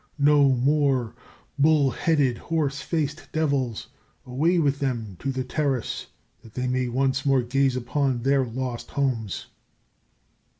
No more bull headed, horse faced devils, away with them to the Terrace that they may once more gaze upon their lost homes!"